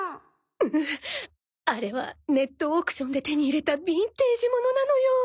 うっあれはネットオークションで手に入れたビンテージものなのよ